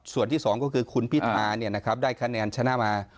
ส่วนที่๒ก็คือคุณพิธาได้คะแนนชนะมา